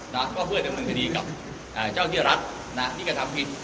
นะโล่งเรื่องกับ฾ิการงานที่รัฐนะนี่ก็ทำผิด